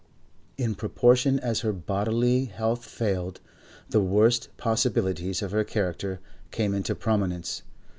In proportion as her bodily health failed, the worst possibilities of her character came into prominence.